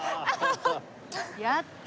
やった！